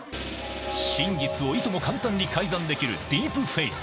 真実をいとも簡単に改ざんできる、ディープフェイク。